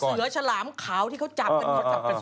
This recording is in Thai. พยายามเสือฉลามเขาคมเขาจับกัน